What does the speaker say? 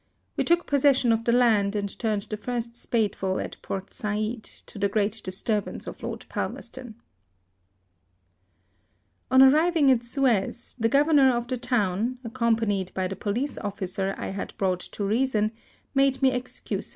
We took possession of the land, and turned the first spadeful at Port Said, to the great disturb ance of Lord Palmerston. On arriving at Suez, the governor of the town, accompanied by the police officer I had brought to reason, made me excuses.